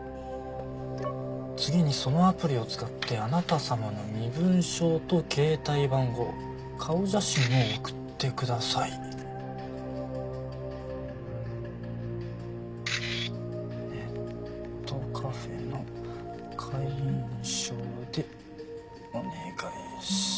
「次にそのアプリを使ってあなた様の身分証とケータイ番号顔写真を送ってください」「ネットカフェの会員証でお願いします」